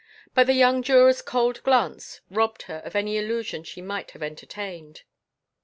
But the young juror's cold glance robbed her of any illusion she might have entertained.